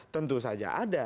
tentu saja ada